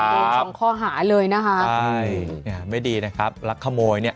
เอาของข้อหารเลยนะครับอืมใช่ไม่ดีนะครับรักขโมยเนี่ย